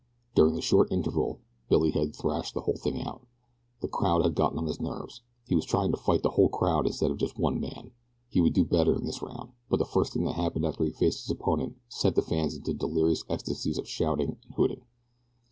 During the short interval Billy had thrashed the whole thing out. The crowd had gotten on his nerves. He was trying to fight the whole crowd instead of just one man he would do better in this round; but the first thing that happened after he faced his opponent sent the fans into delirious ecstasies of shouting and hooting.